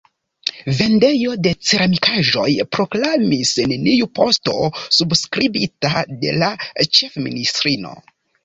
Vendejo de ceramikaĵoj proklamis: “Neniu poto subskribita de la ĉefministrino.